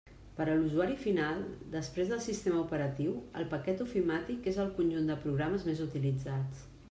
Per a l'usuari final, després del sistema operatiu, el paquet ofimàtic és el conjunt de programes més utilitzats.